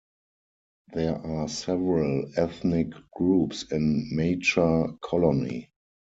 There are several ethnic groups in Machar Colony.